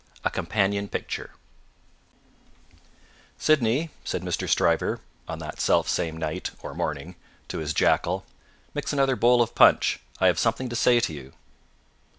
A Companion Picture "Sydney," said Mr. Stryver, on that self same night, or morning, to his jackal; "mix another bowl of punch; I have something to say to you."